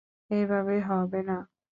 এভাবে হবে না।